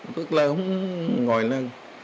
tức là không gọi là